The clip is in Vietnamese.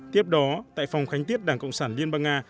tiếp đó tại phòng khánh tiết đảng cộng sản liên bang nga